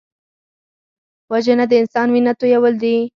وژنه د انسان وینه تویول دي